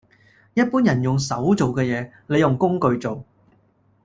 一般人用手做嘅嘢，你用工具做